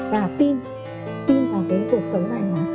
và tin vào cái cuộc sống này